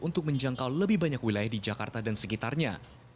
untuk menjangkau lebih banyak wilayah di jakarta dan sekitarnya